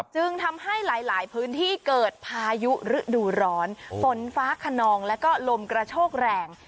จึงทำให้หลายพื้นที่เกิดพายุฤดูร้อนฝนฟ้าขนองแล้วก็ลมกระโชกแรง